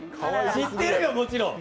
知ってるけど、もちろん。